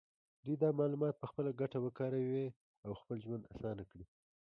دوی دا معلومات په خپله ګټه وکاروي او خپل ژوند اسانه کړي.